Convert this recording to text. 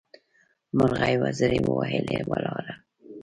مرغۍ وزرې ووهلې؛ ولاړه.